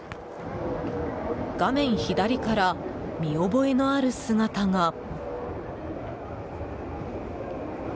画面左から見覚えのある姿が。